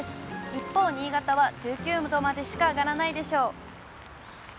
一方、新潟は１９度までしか上がらないでしょう。